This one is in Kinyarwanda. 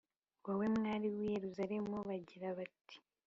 wowe, mwari w’i Yeruzalemu, bagira bati